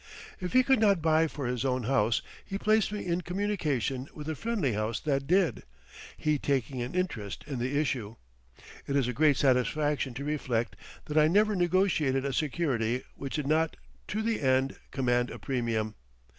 If he could not buy for his own house, he placed me in communication with a friendly house that did, he taking an interest in the issue. It is a great satisfaction to reflect that I never negotiated a security which did not to the end command a premium.